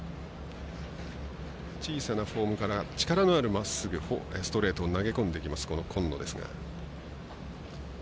小さなフォームから力のあるまっすぐを投げ込んでくる今野ですが。